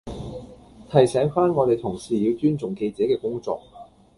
提醒番我哋同事要尊重記者嘅工作